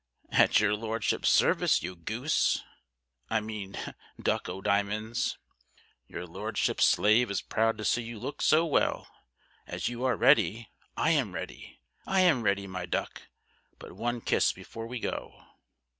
"At your Lordship's service you goose I mean duck o'diamonds." "Your Ladyship's slave is proud to see you look so well. As you are ready, I am ready I am ready, my duck but one kiss before we go."